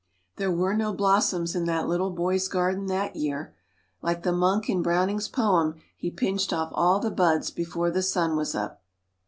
There were no blossoms in that little boy's garden that year. Like the monk in Browning's poem, he pinched off all the buds before the sun was up.